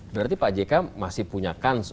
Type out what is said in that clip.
berarti pak jk masih punya kans